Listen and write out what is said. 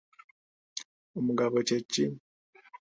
Omugabo kye ki?